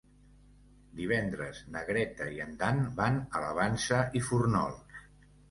Divendres na Greta i en Dan van a la Vansa i Fórnols.